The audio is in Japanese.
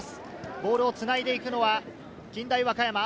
ボールをつないでいくのは近大和歌山。